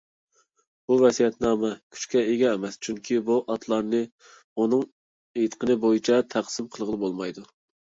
بۇ ۋەسىيەتنامە كۈچكە ئىگە ئەمەس، چۈنكى بۇ ئاتلارنى ئۇنىڭ ئېيتىقىنى بويىچە تەقسىم قىلغىلى بولمايدۇ.